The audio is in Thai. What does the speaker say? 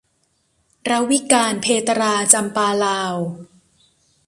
รวิกาญจน์เภตรา - จำปาลาว